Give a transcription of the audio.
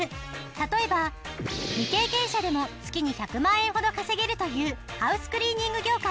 例えば未経験者でも月に１００万円ほど稼げるというハウスクリーニング業界